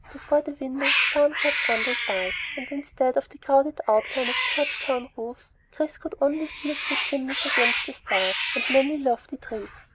Before the window, farm carts rumbled by, and instead of the crowded outline of Georgetown roofs, Chris could see only a few chimneys against the stars, and many lofty trees.